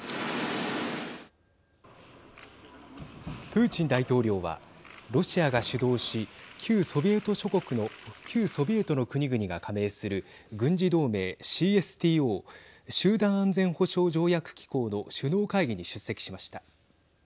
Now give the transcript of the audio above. プーチン大統領はロシアが主導し旧ソビエトの国々が加盟する軍事同盟ＣＳＴＯ＝集団安全保障条約機構の首脳会議に出席しました。